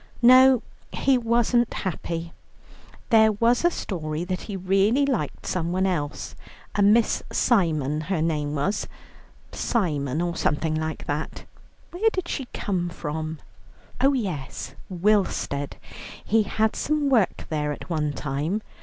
No, he wasn't happy. There was a story that he really liked somebody else: a Miss Simon her name was Simon, or something like that. Where did she come from? Oh yes, Willstead; he had some work there at one time.